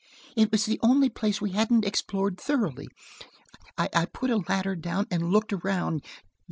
It was the only place we hadn't explored thoroughly. I put a ladder down and looked around.